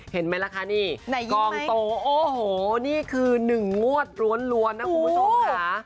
เห็นไหมล่ะคะนี่กองโตโอ้โหนี่คือ๑งวดล้วนนะคุณผู้ชมค่ะ